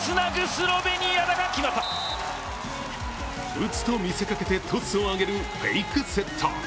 打つと見せかけてトスを上げるフェイクセット。